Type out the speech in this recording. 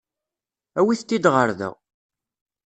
Awit-t-id ɣer da.